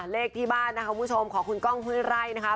เลขที่บ้านนะคะคุณผู้ชมของคุณก้องห้วยไร่นะคะ